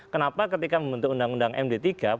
kenapa ketika membentuk undang undang md tiga